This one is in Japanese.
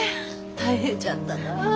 大変じゃったなあ。